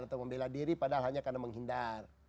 atau membela diri padahal hanya karena menghindar